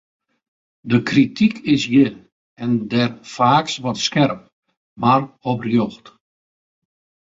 De krityk is hjir en dêr faaks wat skerp, mar oprjocht.